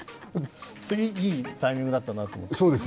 いいタイミングだったなと思って。